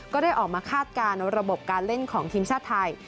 ก็ได้ออกมาคาดการณ์ระบบการเล่นของทีมชาติไทย